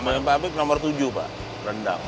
american public nomor tujuh pak rendang